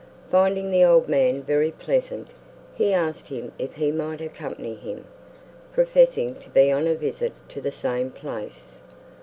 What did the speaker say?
Finding the old man very pleasant, he asked him if he might accompany him, professing to be on a visit to the same place.